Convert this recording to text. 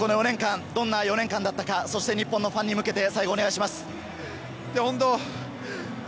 この４年間、どんな４年間だったか、日本のファンに向けてお願いします。